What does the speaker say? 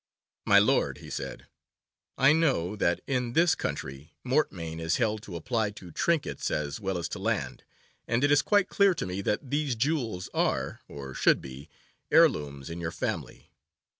'My lord,' he said, 'I know that in this country mortmain is held to apply to trinkets as well as to land, and it is quite clear to me that these jewels are, or should be, heirlooms in your family.